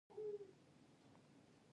هغه د نرم شګوفه پر مهال د مینې خبرې وکړې.